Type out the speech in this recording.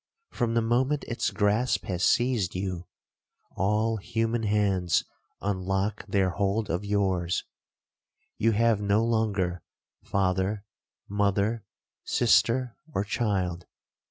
From the moment its grasp has seized you, all human hands unlock their hold of yours,—you have no longer father, mother, sister, or child.